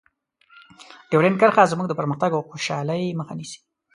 ډیورنډ کرښه زموږ د پرمختګ او خوشحالۍ مخه نیسي.